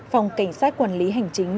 phòng cảnh sát quản lý hành chính